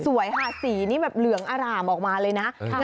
สวยค่ะสีนี่แบบเหลืองอร่ามออกมาเลยนะ